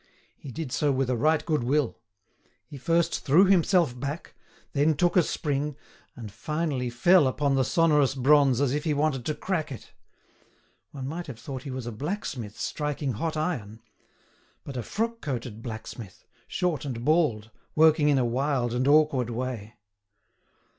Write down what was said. He did so with a right good will. He first threw himself back, then took a spring, and finally fell upon the sonorous bronze as if he wanted to crack it. One might have thought he was a blacksmith striking hot iron—but a frock coated blacksmith, short and bald, working in a wild and awkward way.